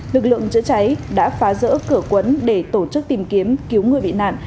lực lượng chữa cháy đã phá rỡ cửa quấn để tổ chức tìm kiếm cứu người bị nạn